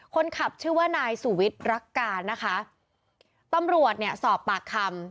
คนขับชื่อว่านายสุวิทย์รักการนะคะตำรวจเนี่ยสอบปากคำ